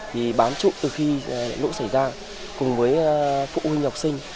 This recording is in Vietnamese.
thì bán chú từ khi đũ xảy ra cùng với phụ huynh học sinh